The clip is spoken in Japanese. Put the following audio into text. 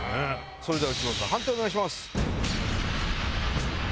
それでは内村さん判定お願いします。